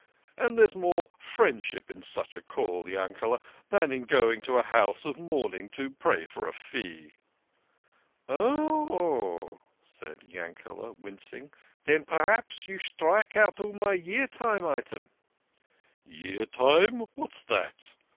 And there's more friendship in such a call, Yankele, than in going to a house of mourning to pray for a fee." " Oh," said Yankele, wincing. " Den p'raps you strike out all my Year Time item !"" Year Time ! What's that